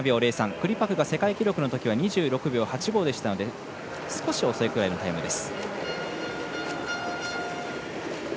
クリパクが世界記録のときは２６秒８５でしたので少し遅いくらいのタイムです。